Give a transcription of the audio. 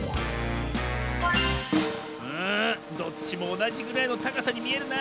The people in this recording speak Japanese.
うんどっちもおなじぐらいのたかさにみえるなあ。